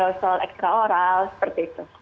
oral seperti itu